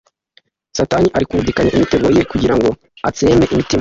Satani ari kurugikanya imitego ye kugira ngo atsembe imitima.